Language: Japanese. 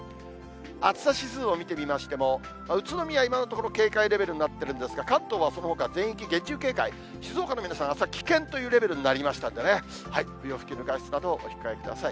暑さ指数を見てみましても、宇都宮、今のところ警戒レベルになってるんですが、関東はそのほか全域厳重警戒、静岡の皆さん、あすは危険というレベルになりましたんでね、不要不急の外出など、お控えください。